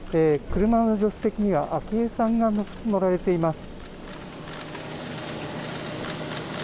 車の助手席には昭恵さんが乗られています。